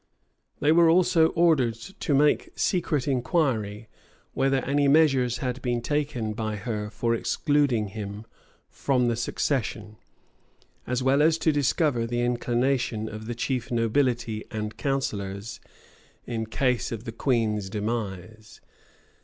They were also ordered to make secret inquiry, whether any measures had been taken by her for excluding him from the succession, as well as to discover the inclinations of the chief nobility and counsellors, in case of the queen's demise.